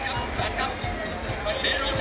มาแล้วครับพี่น้อง